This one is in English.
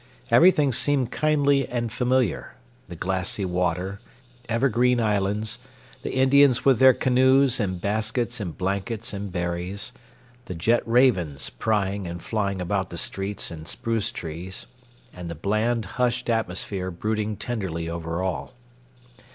Everything seemed kindly and familiar—the glassy water; evergreen islands; the Indians with their canoes and baskets and blankets and berries; the jet ravens, prying and flying about the streets and spruce trees; and the bland, hushed atmosphere brooding tenderly over all.